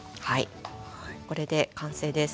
これで完成です。